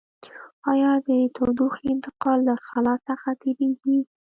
آیا د تودوخې انتقال له خلاء څخه تیریږي؟